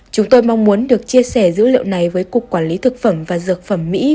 chúng tôi mong muốn được chia sẻ dữ liệu này với cục quản lý thực phẩm và dược phẩm mỹ